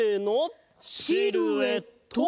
シルエット！